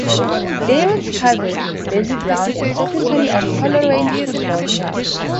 David's cousin, Dessie Brown is secretary of Coleraine Football Club.